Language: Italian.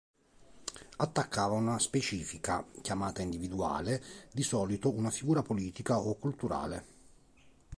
Attaccava una specifica, chiamata individuale, di solito una figura politica o culturale.